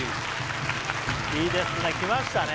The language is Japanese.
いいですねきましたね